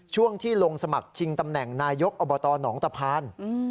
ช่วงที่ลงสมัครชิงตำแหน่งนายกอบตหนองตะพาน